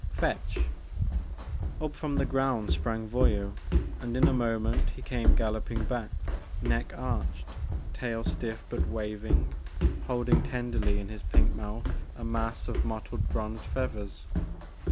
'•Fetch!'' Up from the ground sprang Voyou, and in a moment he came galloping back, neck arched, tail stiff but waving, holding tenderly in his pink mouth a mass of mottled bronzed feathers.